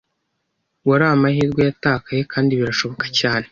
wari amahirwe yatakaye kandi birashoboka cyane